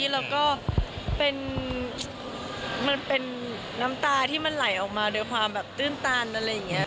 และก็เป็นน้ำตาที่มันไหลออกมาด้วยความตื้องตานะอะไรเงี้ย